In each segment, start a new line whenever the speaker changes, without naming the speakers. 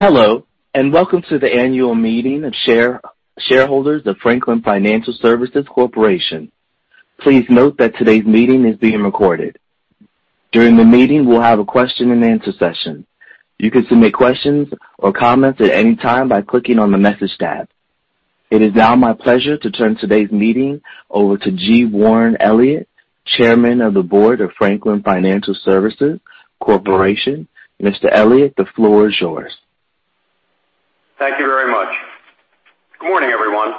Hello, and welcome to the annual meeting of shareholders of Franklin Financial Services Corporation. Please note that today's meeting is being recorded. During the meeting, we'll have a question and answer session. You can submit questions or comments at any time by clicking on the Message tab. It is now my pleasure to turn today's meeting over to G. Warren Elliott, Chairman of the Board of Franklin Financial Services Corporation. Mr. Elliott, the floor is yours.
Thank you very much. Good morning, everyone.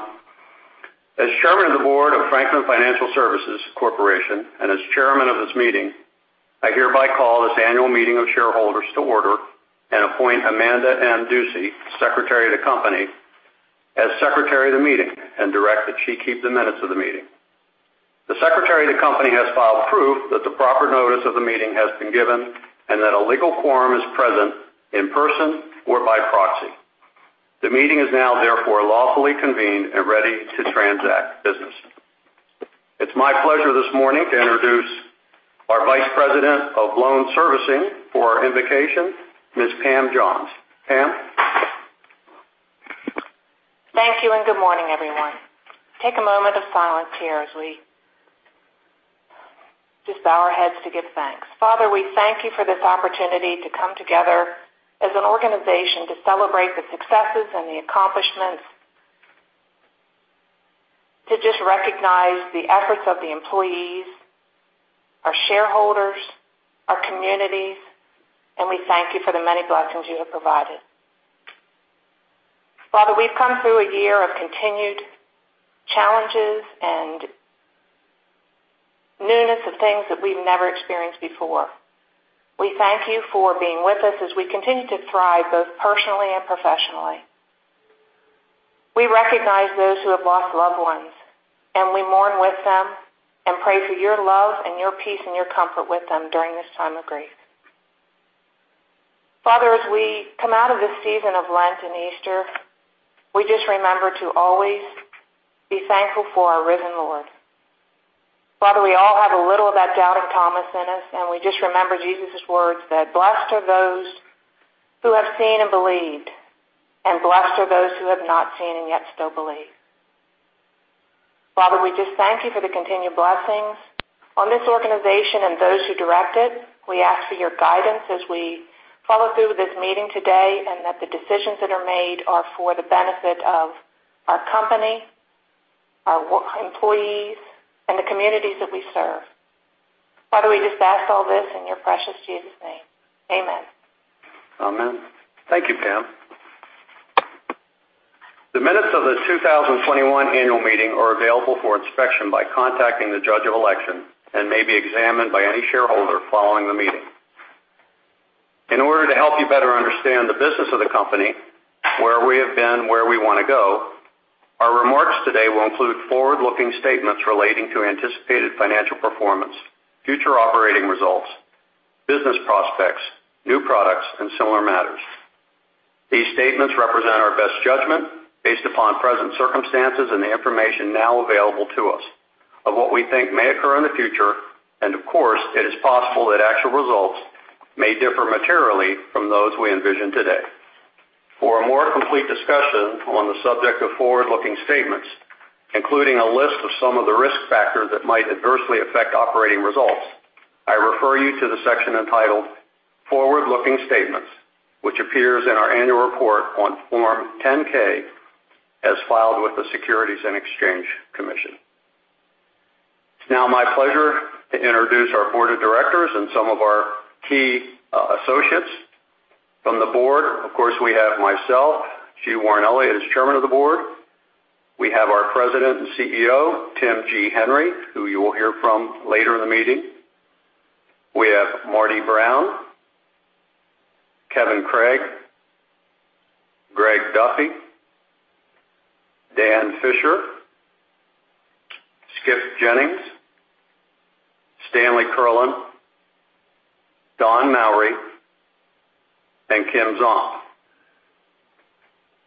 As Chairman of the Board of Franklin Financial Services Corporation and as Chairman of this meeting, I hereby call this annual meeting of shareholders to order and appoint Amanda M. Ducey, Secretary of the company, as Secretary of the meeting and direct that she keep the minutes of the meeting. The Secretary of the company has filed proof that the proper notice of the meeting has been given and that a legal quorum is present in person or by proxy. The meeting is now therefore lawfully convened and ready to transact business. It's my pleasure this morning to introduce our Vice President of Loan Servicing for our invocation, Ms. Pam Johns. Pam.
Thank you and good morning, everyone. Take a moment of silence here as we just bow our heads to give thanks. Father, we thank you for this opportunity to come together as an organization to celebrate the successes and the accomplishments, to just recognize the efforts of the employees, our shareholders, our communities, and we thank you for the many blessings you have provided. Father, we've come through a year of continued challenges and newness of things that we've never experienced before. We thank you for being with us as we continue to thrive both personally and professionally. We recognize those who have lost loved ones, and we mourn with them and pray for your love and your peace and your comfort with them during this time of grief. Father, as we come out of the season of Lent and Easter, we just remember to always be thankful for our risen Lord. Father, we all have a little of that doubting Thomas in us, and we just remember Jesus' words that, "Blessed are those who have seen and believed, and blessed are those who have not seen and yet still believe." Father, we just thank you for the continued blessings on this organization and those who direct it. We ask for your guidance as we follow through with this meeting today and that the decisions that are made are for the benefit of our company, our employees, and the communities that we serve. Father, we just ask all this in your precious Jesus' name. Amen.
Amen. Thank you, Pam. The minutes of the 2021 annual meeting are available for inspection by contacting the judge of election and may be examined by any shareholder following the meeting. In order to help you better understand the business of the company, where we have been, where we wanna go, our remarks today will include Forward-Looking Statements relating to anticipated financial performance, future operating results, business prospects, new products, and similar matters. These statements represent our best judgment based upon present circumstances and the information now available to us of what we think may occur in the future. Of course, it is possible that actual results may differ materially from those we envision today. For a more complete discussion on the subject of forward-looking statements, including a list of some of the risk factors that might adversely affect operating results, I refer you to the section entitled Forward-Looking Statements, which appears in our annual report on Form 10-K as filed with the Securities and Exchange Commission. It's now my pleasure to introduce our board of directors and some of our key associates. From the board, of course, we have myself, G. Warren Elliott, as Chairman of the Board. We have our President and CEO, Tim G. Henry, who you will hear from later in the meeting. We have Marty Brown, Kevin Craig, Greg Duffy, Dan Fisher, Skip Jennings, Stanley J. Kerlin, Don Mallory, and Kim Zahn.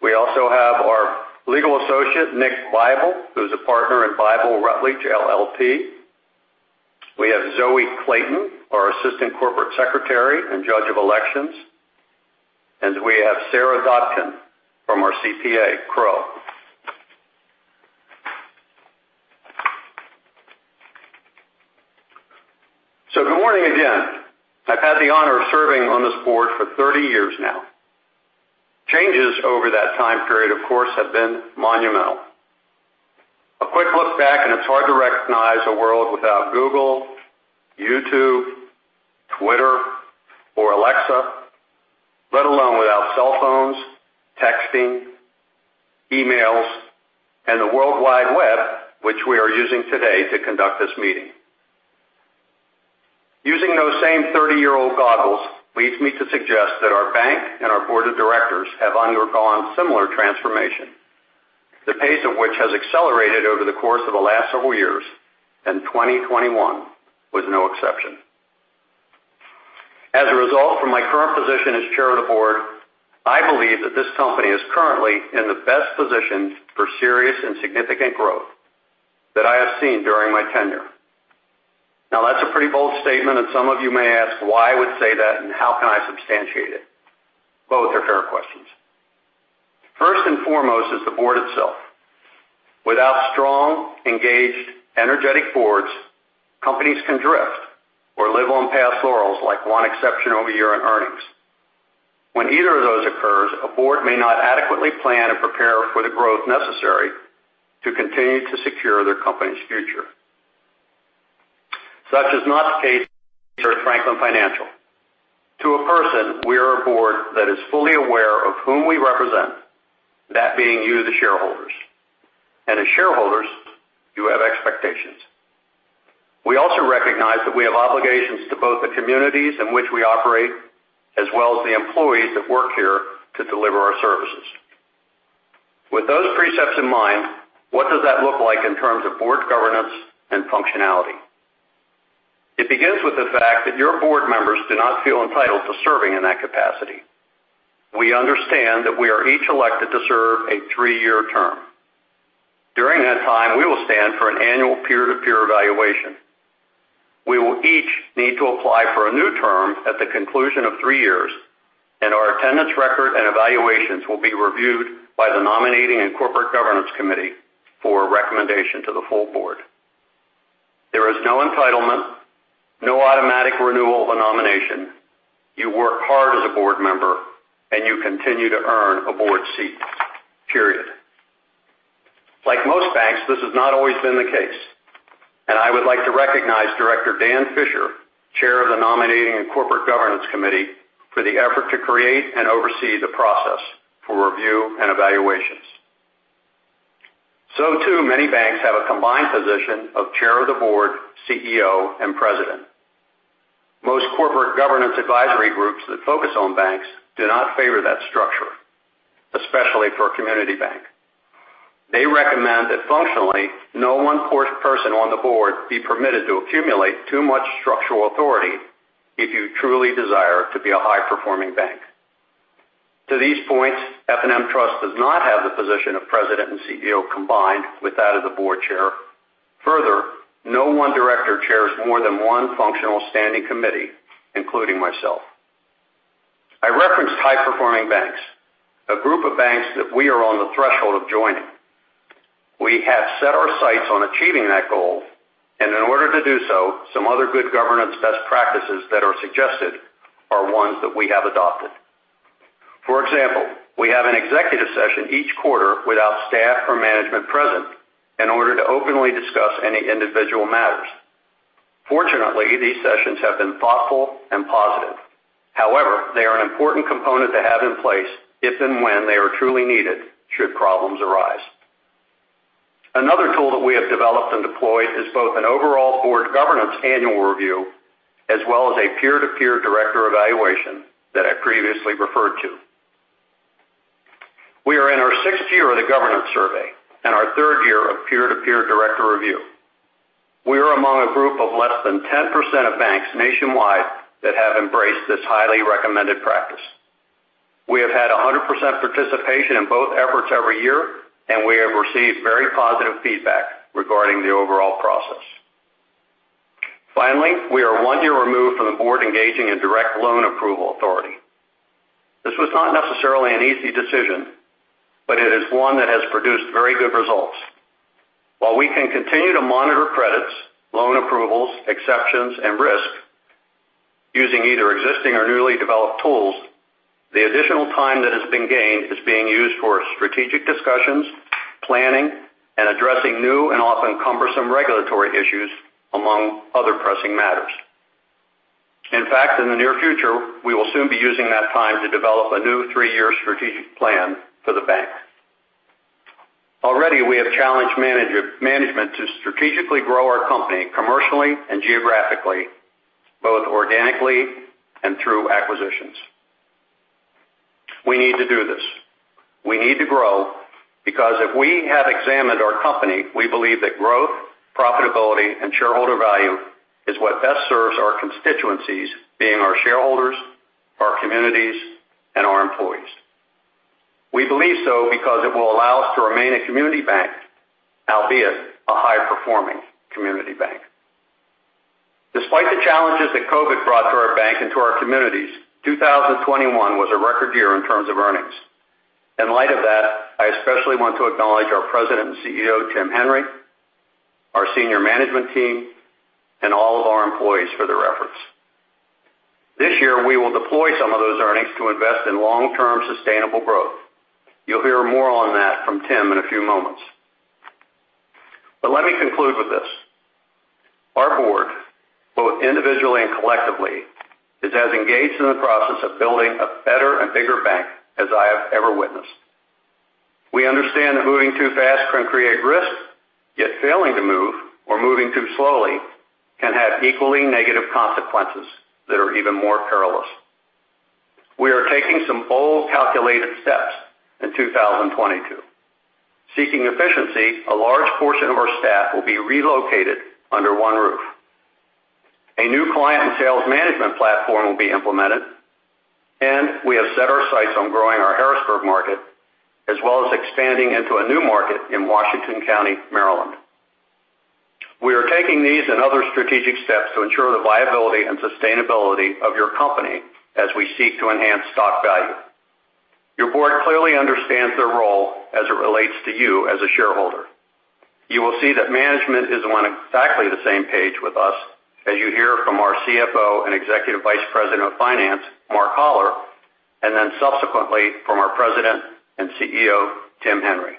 We also have our legal associate, Nick Bybel, who's a partner in Bybel Rutledge LLP. We have Zoe Clayton, our assistant corporate secretary and judge of elections. We have Sarah Dodkin from our CPA, Crowe. Good morning again. I've had the honor of serving on this board for 30 years now. Changes over that time period, of course, have been monumental. A quick look back, and it's hard to recognize a world without Google, YouTube, Twitter, or Alexa, let alone without cell phones, texting, emails, and the World Wide Web, which we are using today to conduct this meeting. Using those same 30-year-old goggles leads me to suggest that our bank and our board of directors have undergone similar transformation, the pace of which has accelerated over the course of the last several years, and 2021 was no exception. As a result, from my current position as chair of the board, I believe that this company is currently in the best position for serious and significant growth that I have seen during my tenure. Some of you may ask why I would say that, and how can I substantiate it? Both are fair questions. First and foremost is the board itself. Without strong, engaged, energetic boards, companies can drift or live on past laurels like one exceptional year in earnings. When either of those occurs, a board may not adequately plan and prepare for the growth necessary to continue to secure their company's future. Such is not the case at Franklin Financial. To a person, we are a board that is fully aware of whom we represent, that being you, the shareholders. As shareholders, you have expectations. We also recognize that we have obligations to both the communities in which we operate, as well as the employees that work here to deliver our services. With those precepts in mind, what does that look like in terms of board governance and functionality? It begins with the fact that your board members do not feel entitled to serving in that capacity. We understand that we are each elected to serve a three-year term. During that time, we will stand for an annual peer-to-peer evaluation. We will each need to apply for a new term at the conclusion of three years, and our attendance record and evaluations will be reviewed by the Nominating and Corporate Governance Committee for recommendation to the full board. There is no entitlement, no automatic renewal of a nomination. You work hard as a board member and you continue to earn a board seat. Period. Like most banks, this has not always been the case, and I would like to recognize Director Dan Fisher, chair of the Nominating and Corporate Governance Committee, for the effort to create and oversee the process for review and evaluations. Too many banks have a combined position of chair of the board, CEO, and president. Most corporate governance advisory groups that focus on banks do not favor that structure, especially for a community bank. They recommend that functionally, no one person on the board be permitted to accumulate too much structural authority if you truly desire to be a high-performing bank. To these points, F&M Trust does not have the position of president and CEO combined with that of the board chair. Further, no one director chairs more than one functional standing committee, including myself. I referenced high-performing banks, a group of banks that we are on the threshold of joining. We have set our sights on achieving that goal, and in order to do so, some other good governance best practices that are suggested are ones that we have adopted. For example, we have an executive session each quarter without staff or management present in order to openly discuss any individual matters. Fortunately, these sessions have been thoughtful and positive. However, they are an important component to have in place if and when they are truly needed should problems arise. Another tool that we have developed and deployed is both an overall board governance annual review as well as a peer-to-peer director evaluation that I previously referred to. We are in our sixth year of the governance survey and our third year of peer-to-peer director review. We are among a group of less than 10% of banks nationwide that have embraced this highly recommended practice. We have had 100% participation in both efforts every year, and we have received very positive feedback regarding the overall process. Finally, we are one year removed from the board engaging in direct loan approval authority. This was not necessarily an easy decision, but it is one that has produced very good results. While we can continue to monitor credits, loan approvals, exceptions, and risk using either existing or newly developed tools, the additional time that has been gained is being used for strategic discussions, planning, and addressing new and often cumbersome regulatory issues among other pressing matters. In fact, in the near future, we will soon be using that time to develop a new three-year strategic plan for the bank. Already, we have challenged management to strategically grow our company commercially and geographically, both organically and through acquisitions. We need to do this. We need to grow because if we have examined our company, we believe that growth, profitability, and shareholder value is what best serves our constituencies, being our shareholders, our communities, and our employees. We believe so because it will allow us to remain a community bank, albeit a high-performing community bank. Despite the challenges that COVID brought to our bank and to our communities, 2021 was a record year in terms of earnings. In light of that, I especially want to acknowledge our President and CEO, Tim Henry, our senior management team, and all of our employees for their efforts. This year, we will deploy some of those earnings to invest in long-term sustainable growth. You'll hear more on that from Tim in a few moments. Let me conclude with this. Our board, both individually and collectively, is as engaged in the process of building a better and bigger bank as I have ever witnessed. We understand that moving too fast can create risk, yet failing to move or moving too slowly can have equally negative consequences that are even more perilous. We are taking some bold, calculated steps in 2022. Seeking efficiency, a large portion of our staff will be relocated under one roof. A new client and sales management platform will be implemented. We have set our sights on growing our Harrisburg market, as well as expanding into a new market in Washington County, Maryland. We are taking these and other strategic steps to ensure the viability and sustainability of your company as we seek to enhance stock value. Your board clearly understands their role as it relates to you as a shareholder. You will see that management is on exactly the same page with us as you hear from our CFO and Executive Vice President of Finance, Mark Hollar, and then subsequently from our President and CEO, Tim Henry.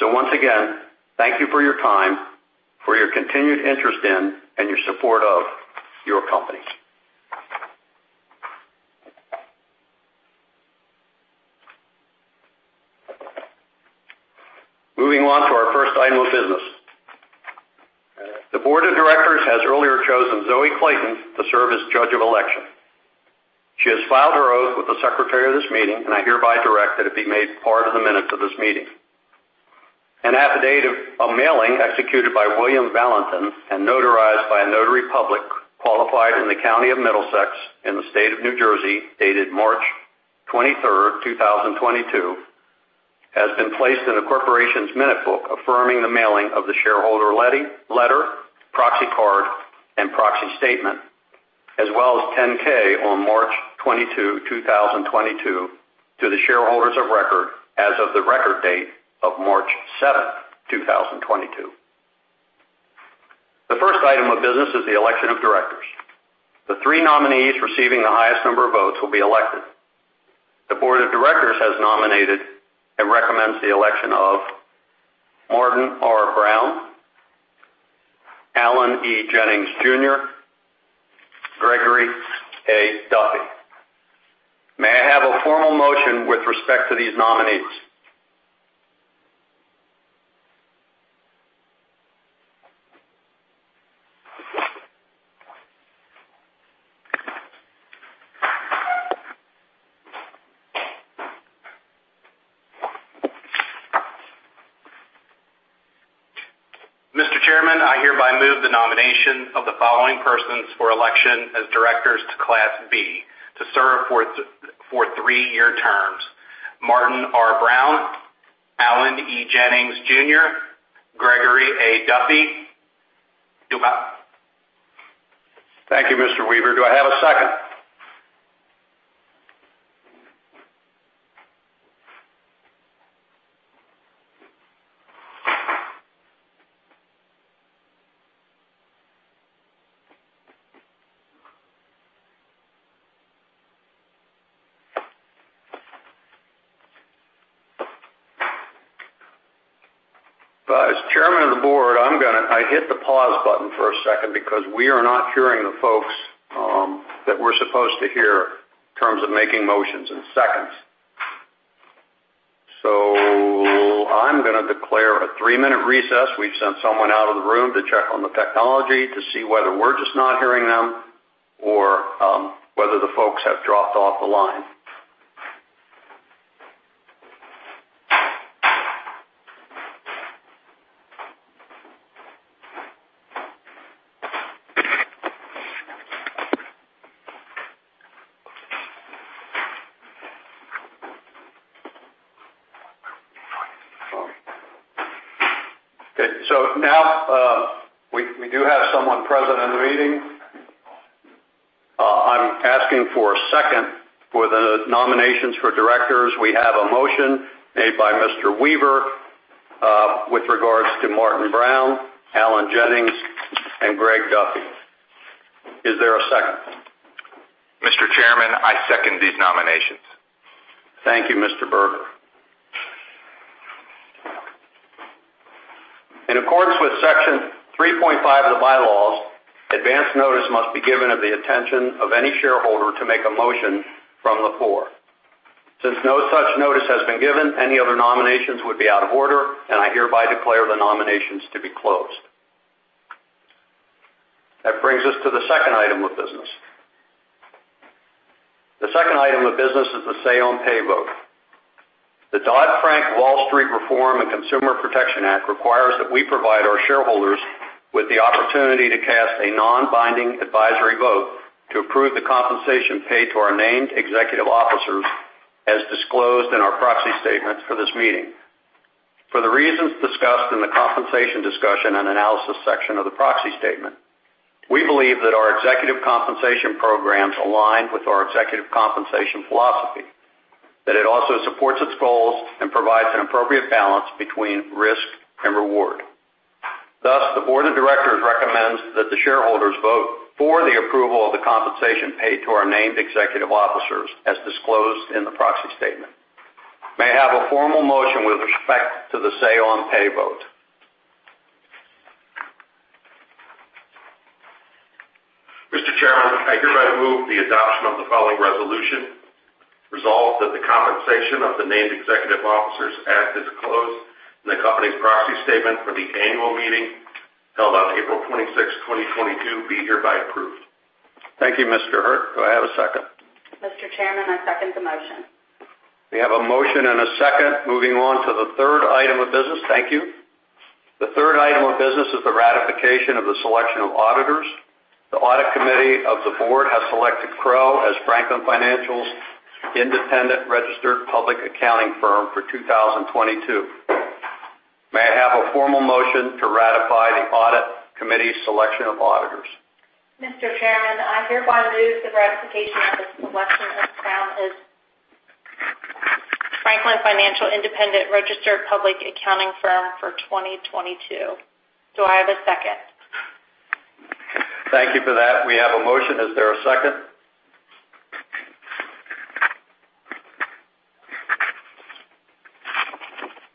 Once again, thank you for your time, for your continued interest in, and your support of your company. Moving on to our first item of business. The board of directors has earlier chosen Zoe Clayton to serve as judge of election. She has filed her oath with the secretary of this meeting, and I hereby direct that it be made part of the minutes of this meeting. An affidavit of mailing executed by William Valentin and notarized by a notary public qualified in the County of Middlesex in the state of New Jersey, dated March 23, 2022, has been placed in the corporation's minute book, affirming the mailing of the shareholder letter, proxy card, and proxy statement, as well as 10-K, on March 22, 2022 to the shareholders of record as of the record date of March 7, 2022. The first item of business is the election of directors. The three nominees receiving the highest number of votes will be elected. The board of directors has nominated and recommends the election of Martin R. Brown, Allan E. Jennings, Jr., Gregory A. Duffey. May I have a formal motion with respect to these nominees?
Mr. Chairman, I hereby move the nomination of the following persons for election as directors to Class B to serve for three-year terms. Martin R. Brown, Allan E. Jennings, Jr., Gregory A. Duffey.
Thank you, Mr. Weaver. Do I have a second? As Chairman of the board, I hit the pause button for a second because we are not hearing the folks that we're supposed to hear in terms of making motions in seconds. I'm gonna declare a three-minute recess. We've sent someone out of the room to check on the technology to see whether we're just not hearing them or whether the folks have dropped off the line. Okay. Now, we do have someone present in the meeting. I'm asking for a second for the nominations for directors. We have a motion made by Mr. Weaver with regards to Martin Brown, Allan Jennings, and Greg Duffey. Is there a second?
Mr. Chairman, I second these nominations.
Thank you, Mr. Berger. In accordance with Section 3.5 of the bylaws, advance notice must be given at the attention of any shareholder to make a motion from the floor. Since no such notice has been given, any other nominations would be out of order, and I hereby declare the nominations to be closed. That brings us to the second item of business. The second item of business is the say-on-pay vote. The Dodd-Frank Wall Street Reform and Consumer Protection Act requires that we provide our shareholders with the opportunity to cast a non-binding advisory vote to approve the compensation paid to our named executive officers as disclosed in our proxy statements for this meeting. For the reasons discussed in the compensation discussion and analysis section of the proxy statement, we believe that our executive compensation programs align with our executive compensation philosophy, that it also supports its goals and provides an appropriate balance between risk and reward. Thus, the Board of Directors recommends that the shareholders vote for the approval of the compensation paid to our named executive officers as disclosed in the proxy statement. May I have a formal motion with respect to the say-on-pay vote?
Mr. Chairman, I hereby move the adoption of the following resolution. Resolve that the compensation of the named executive officers as disclosed in the company's proxy statement for the annual meeting held on April 26th, 2022, be hereby approved.
Thank you, Mr. Hurt. Do I have a second?
Mr. Chairman, I second the motion.
We have a motion and a second. Moving on to the third item of business. Thank you. The third item of business is the ratification of the selection of auditors. The Audit Committee of the board has selected Crowe as Franklin Financial's independent registered public accounting firm for 2022. May I have a formal motion to ratify the Audit Committee's selection of auditors?
Mr. Chairman, I hereby move the ratification of the selection of Crowe as Franklin Financial independent registered public accounting firm for 2022. Do I have a second?
Thank you for that. We have a motion. Is there a second?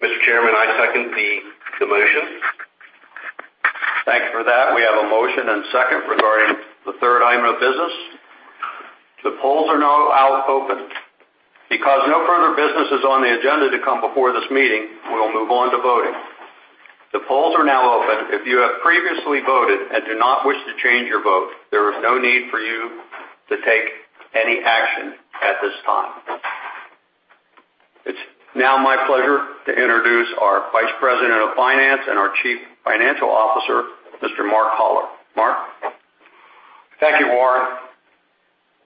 Mr. Chairman, I second the motion.
Thank you for that. We have a motion and second regarding the third item of business. The polls are now open. Because no further business is on the agenda to come before this meeting, we will move on to voting. The polls are now open. If you have previously voted and do not wish to change your vote, there is no need for you to take any action at this time. It's now my pleasure to introduce our Vice President of Finance and our Chief Financial Officer, Mr. Mark Hollar. Mark.
Thank you, Warren.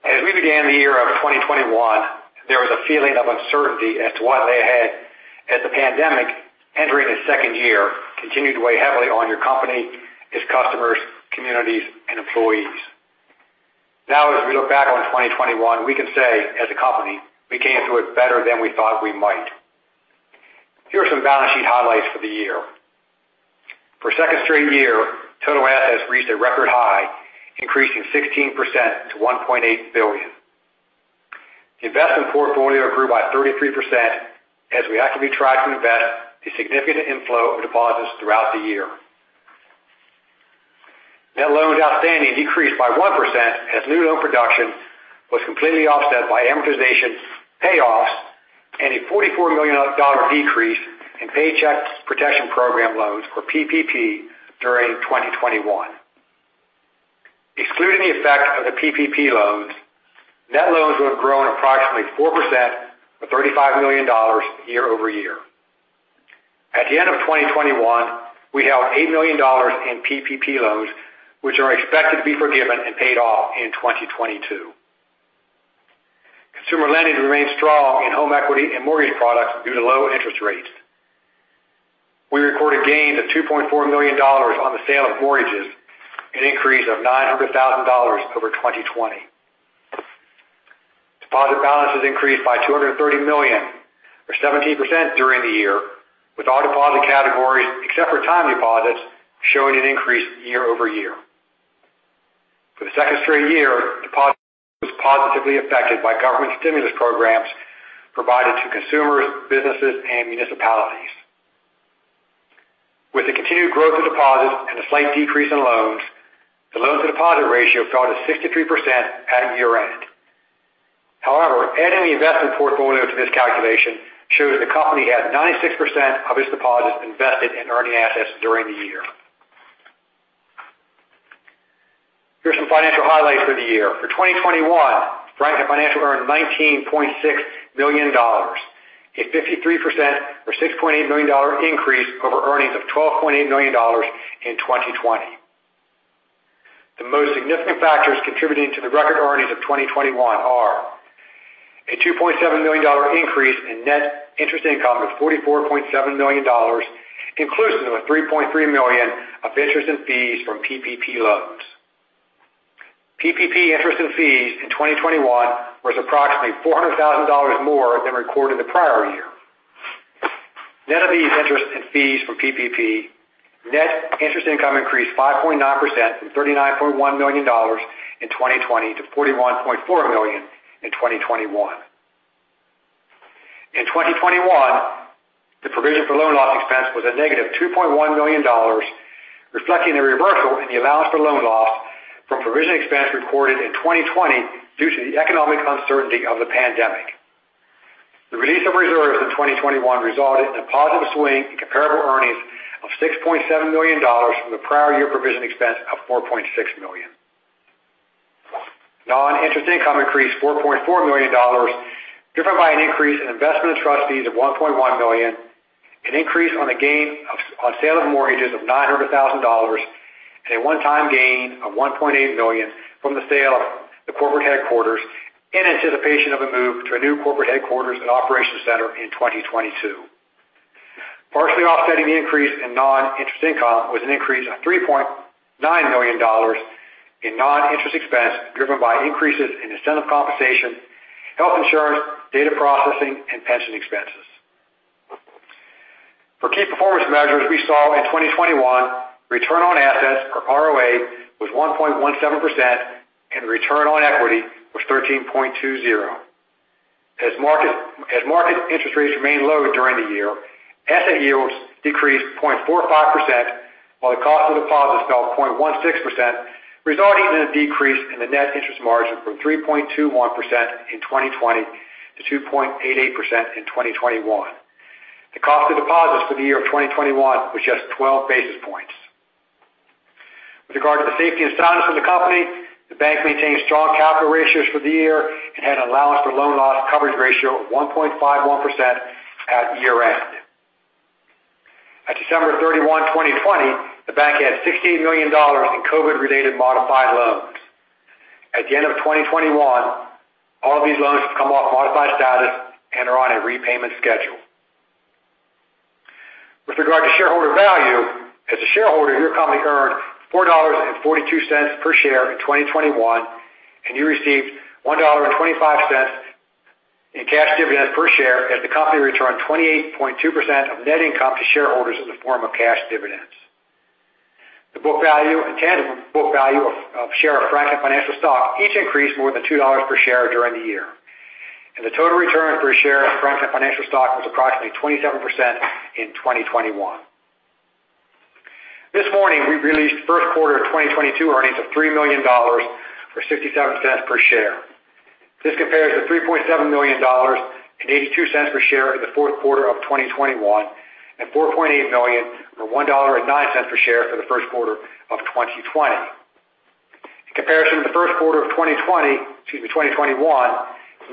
As we began the year of 2021, there was a feeling of uncertainty as to what lay ahead as the pandemic, entering its second year, continued to weigh heavily on your company, its customers, communities, and employees. Now, as we look back on 2021, we can say, as a company, we came through it better than we thought we might. Here are some balance sheet highlights for the year. For a second straight year, total assets reached a record high, increasing 16% to $1.8 billion. Investment portfolio grew by 33% as we actively tried to invest a significant inflow of deposits throughout the year. Net loans outstanding decreased by 1% as new loan production was completely offset by amortization payoffs and a $44 million decrease in Paycheck Protection Program loans, or PPP, during 2021. Excluding the effect of the PPP loans, net loans would have grown approximately 4% or $35 million year-over-year. At the end of 2021, we held $8 million in PPP loans, which are expected to be forgiven and paid off in 2022. Consumer lending remained strong in home equity and mortgage products due to low interest rates. We recorded gains of $2.4 million on the sale of mortgages, an increase of $900,000 over 2020. Deposit balances increased by $230 million or 17% during the year, with all deposit categories except for time deposits showing an increase year-over-year. For the second straight year, deposits were positively affected by government stimulus programs provided to consumers, businesses, and municipalities. With the continued growth of deposits and a slight decrease in loans, the loan to deposit ratio fell to 63% at year-end. However, adding the investment portfolio to this calculation shows the company had 96% of its deposits invested in earning assets during the year. Here are some financial highlights for the year. For 2021, Franklin Financial earned $19.6 million, a 53% or $6.8 million increase over earnings of $12.8 million in 2020. The most significant factors contributing to the record earnings of 2021 are a $2.7 million increase in net interest income of $44.7 million, inclusive of $3.3 million of interest and fees from PPP loans. PPP interest and fees in 2021 was approximately $400,000 more than recorded the prior year. Net of these interest and fees from PPP, net interest income increased 5.9% from $39.1 million in 2020 to $41.4 million in 2021. In 2021, the provision for loan loss expense was a negative $2.1 million, reflecting the reversal in the allowance for loan loss from provision expense recorded in 2020 due to the economic uncertainty of the pandemic. The release of reserves in 2021 resulted in a positive swing in comparable earnings of $6.7 million from the prior year provision expense of $4.6 million. Non-interest income increased $4.4 million, driven by an increase in investment and trust services of $1.1 million, an increase in the gain on sale of mortgages of $900,000, and a one-time gain of $1.8 million from the sale of the corporate headquarters in anticipation of a move to a new corporate headquarters and operations center in 2022. Partially offsetting the increase in non-interest income was an increase of $3.9 million in non-interest expense, driven by increases in incentive compensation, health insurance, data processing, and pension expenses. For key performance measures we saw in 2021, return on assets, or ROA, was 1.17% and return on equity was 13.20%. As market interest rates remained low during the year, asset yields decreased 0.45%, while the cost of deposits fell 0.16%, resulting in a decrease in the net interest margin from 3.21% in 2020 to 2.8% in 2021. The cost of deposits for the year of 2021 was just 12 basis points. With regard to the safety and soundness of the company, the bank maintained strong capital ratios for the year and had an allowance for loan loss coverage ratio of 1.51% at year-end. At December 31, 2020, the bank had $16 million in COVID-related modified loans. At the end of 2021, all of these loans have come off modified status and are on a repayment schedule. With regard to shareholder value, as a shareholder, your company earned $4.42 per share in 2021, and you received $1.25 in cash dividends per share as the company returned 28.2% of net income to shareholders in the form of cash dividends. The book value and tangible book value of a share of Franklin Financial stock each increased more than $2 per share during the year. The total return per share of Franklin Financial stock was approximately 27% in 2021. This morning, we released first quarter of 2022 earnings of $3 million, or $0.67 per share. This compares to $3.7 million and $0.82 per share in the fourth quarter of 2021 and $4.8 million, or $1.09 per share for the first quarter of 2020. In comparison to the first quarter of 2021,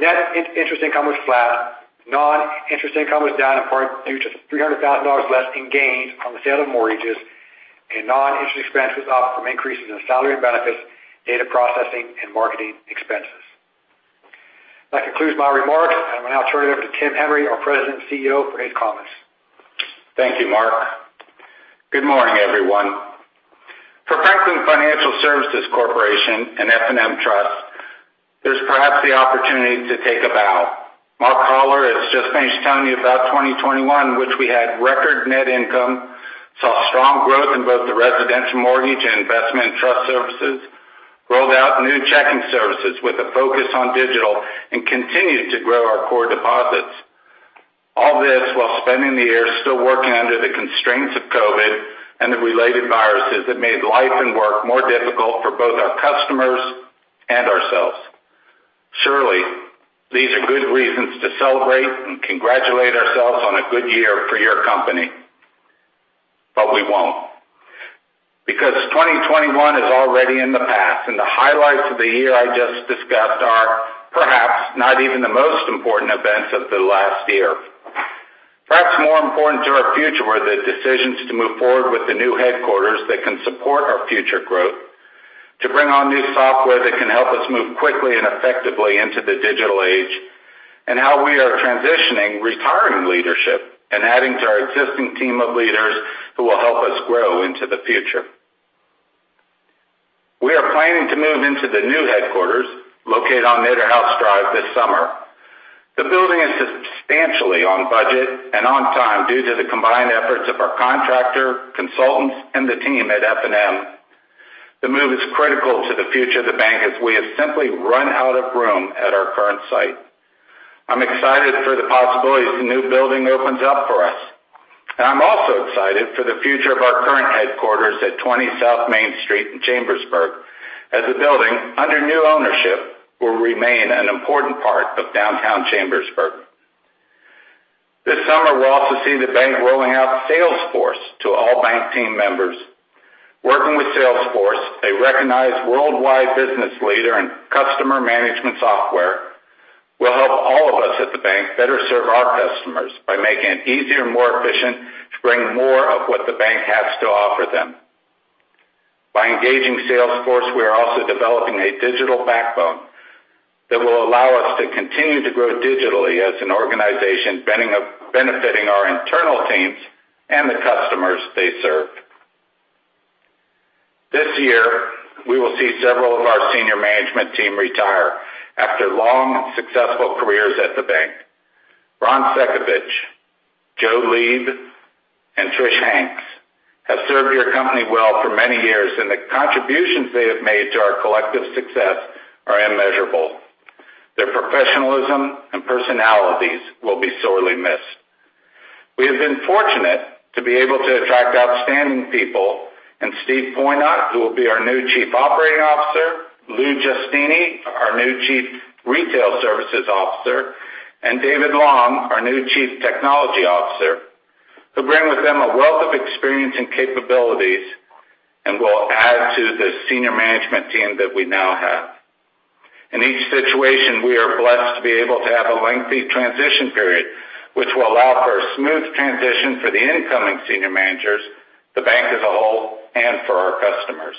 net interest income was flat. Non-interest income was down in part due to $300,000 less in gains on the sale of mortgages and non-interest expenses up from increases in salary and benefits, data processing, and marketing expenses. That concludes my remarks. I will now turn it over to Tim Hery, our President and CEO, for his comments.
Thank you, Mark. Good morning, everyone. For Franklin Financial Services Corporation and F&M Trust, there's perhaps the opportunity to take a bow. Mark Hollar has just finished telling you about 2021, which we had record net income, saw strong growth in both the residential mortgage and investment and trust services, rolled out new checking services with a focus on digital and continued to grow our core deposits. All this while spending the year still working under the constraints of COVID and the related viruses that made life and work more difficult for both our customers and ourselves. Surely, these are good reasons to celebrate and congratulate ourselves on a good year for your company. We won't because 2021 is already in the past, and the highlights of the year I just discussed are perhaps not even the most important events of the last year. Perhaps more important to our future were the decisions to move forward with the new headquarters that can support our future growth, to bring on new software that can help us move quickly and effectively into the digital age, and how we are transitioning retiring leadership and adding to our existing team of leaders who will help us grow into the future. We are planning to move into the new headquarters located on Nitterhouse Drive this summer. The building is substantially on budget and on time due to the combined efforts of our contractor, consultants, and the team at F&M. The move is critical to the future of the bank as we have simply run out of room at our current site. I'm excited for the possibilities the new building opens up for us, and I'm also excited for the future of our current headquarters at 20 South Main Street in Chambersburg, as the building, under new ownership, will remain an important part of downtown Chambersburg. This summer, we'll also see the bank rolling out Salesforce to all bank team members. Working with Salesforce, a recognized worldwide business leader in customer management software, will help all of us at the bank better serve our customers by making it easier and more efficient to bring more of what the bank has to offer them. By engaging Salesforce, we are also developing a digital backbone that will allow us to continue to grow digitally as an organization, benefiting our internal teams and the customers they serve. This year, we will see several of our senior management team retire after long and successful careers at the bank. Ron Cekovich, Joe Lieb, and Trish Hanks have served your company well for many years, and the contributions they have made to our collective success are immeasurable. Their professionalism and personalities will be sorely missed. We have been fortunate to be able to attract outstanding people, and Steve Poynott, who will be our new Chief Operating Officer, Lou Giustini, our new Chief Retail Services Officer, and David Long, our new Chief Technology Officer, who bring with them a wealth of experience and capabilities and will add to the senior management team that we now have. In each situation, we are blessed to be able to have a lengthy transition period, which will allow for a smooth transition for the incoming senior managers, the bank as a whole, and for our customers.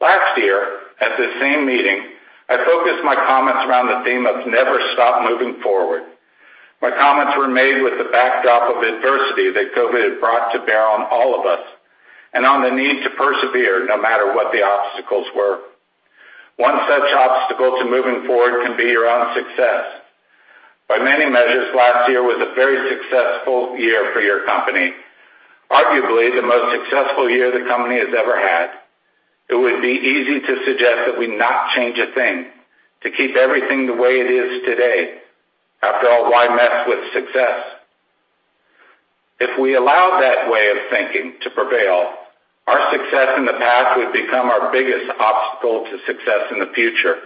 Last year, at this same meeting, I focused my comments around the theme of never stop moving forward. My comments were made with the backdrop of adversity that COVID had brought to bear on all of us and on the need to persevere no matter what the obstacles were. One such obstacle to moving forward can be your own success. By many measures, last year was a very successful year for your company, arguably the most successful year the company has ever had. It would be easy to suggest that we not change a thing, to keep everything the way it is today. After all, why mess with success? If we allow that way of thinking to prevail, our success in the past would become our biggest obstacle to success in the future.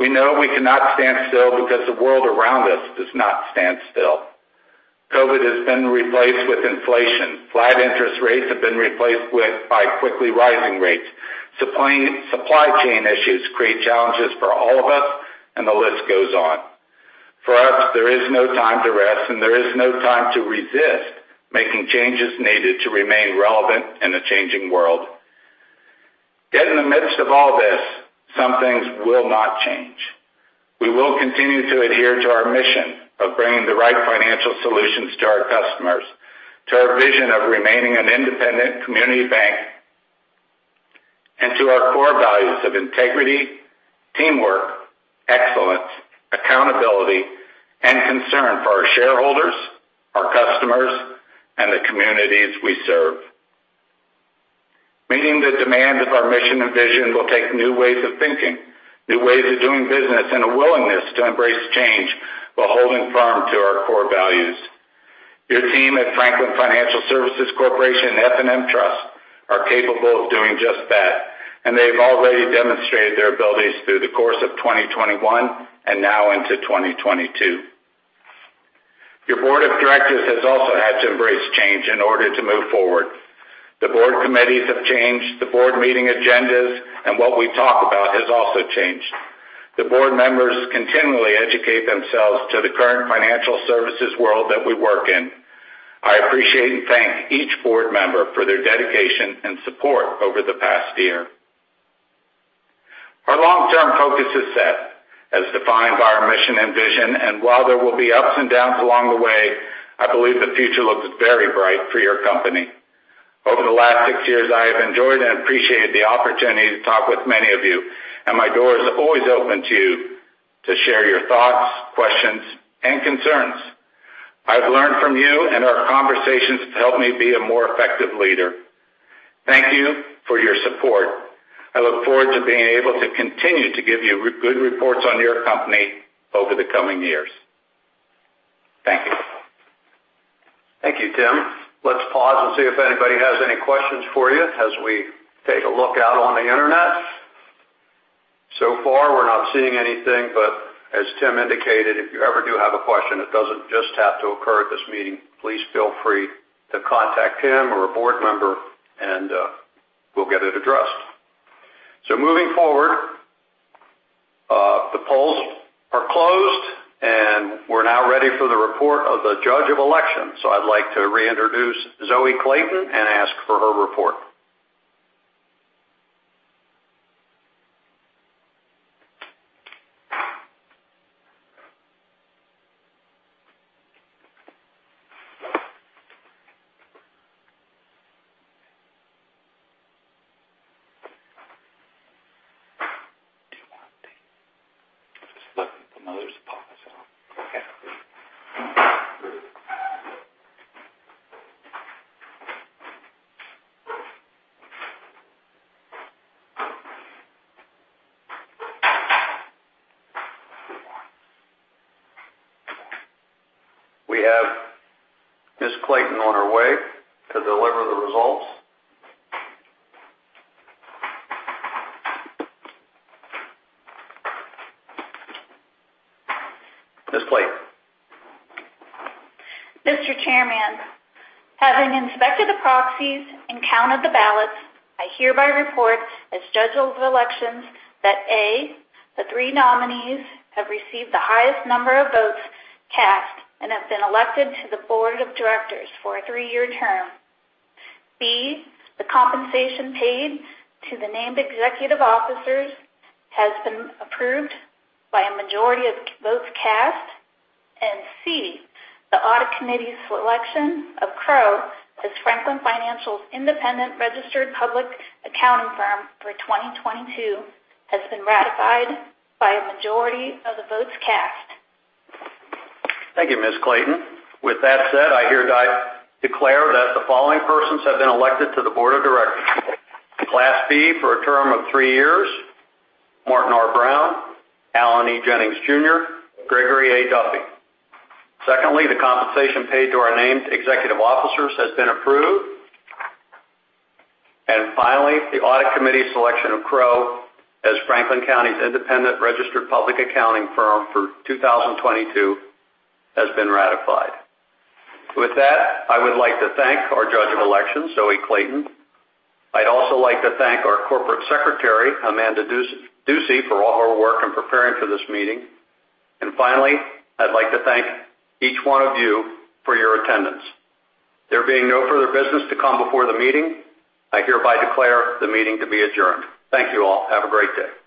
We know we cannot stand still because the world around us does not stand still. COVID has been replaced with inflation. Flat interest rates have been replaced by quickly rising rates. Supply chain issues create challenges for all of us, and the list goes on. For us, there is no time to rest, and there is no time to resist making changes needed to remain relevant in a changing world. Yet in the midst of all this, some things will not change. We will continue to adhere to our mission of bringing the right financial solutions to our customers, to our vision of remaining an independent community bank, and to our core values of integrity, teamwork, excellence, accountability, and concern for our shareholders, our customers, and the communities we serve. Meeting the demands of our mission and vision will take new ways of thinking, new ways of doing business, and a willingness to embrace change while holding firm to our core values. Your team at Franklin Financial Services Corporation and F&M Trust are capable of doing just that, and they've already demonstrated their abilities through the course of 2021 and now into 2022. Your board of directors has also had to embrace change in order to move forward. The board committees have changed. The board meeting agendas and what we talk about has also changed. The board members continually educate themselves to the current financial services world that we work in. I appreciate and thank each board member for their dedication and support over the past year. Our long-term focus is set as defined by our mission and vision, and while there will be ups and downs along the way, I believe the future looks very bright for your company. Over the last six years, I have enjoyed and appreciated the opportunity to talk with many of you, and my door is always open to you to share your thoughts, questions, and concerns. I've learned from you, and our conversations have helped me be a more effective leader. Thank you for your support. I look forward to being able to continue to give you good reports on your company over the coming years. Thank you.
Thank you, Tim. Let's pause and see if anybody has any questions for you as we take a look out on the internet. So far, we're not seeing anything, but as Tim indicated, if you ever do have a question, it doesn't just have to occur at this meeting. Please feel free to contact Tim or a board member, and we'll get it addressed. Moving forward, the polls are closed, and we're now ready for the report of the judge of elections. I'd like to reintroduce Zoe Clayton and ask for her report. We have Ms. Clayton on her way to deliver the results. Ms. Clayton.
Mr. Chairman, having inspected the proxies and counted the ballots, I hereby report as Judge of Elections that, A, the three nominees have received the highest number of votes cast and have been elected to the board of directors for a three-year term. B, the compensation paid to the named executive officers has been approved by a majority of votes cast. C, the audit committee's selection of Crowe as Franklin Financial's independent registered public accounting firm for 2022 has been ratified by a majority of the votes cast.
Thank you, Ms. Clayton. With that said, I hereby declare that the following persons have been elected to the board of directors. Class B for a term of three years, Martin R. Brown, Allan E. Jennings, Jr., Gregory A. Duffey. Secondly, the compensation paid to our named executive officers has been approved. Finally, the audit committee's selection of Crowe as Franklin Financial's independent registered public accounting firm for 2022 has been ratified. With that, I would like to thank our Judge of Elections, Zoe Clayton. I'd also like to thank our Corporate Secretary, Amanda Ducey, for all her work in preparing for this meeting. Finally, I'd like to thank each one of you for your attendance. There being no further business to come before the meeting, I hereby declare the meeting to be adjourned. Thank you all. Have a great day.